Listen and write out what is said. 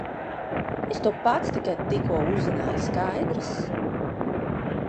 Es to pats tikai tikko uzzināju, skaidrs?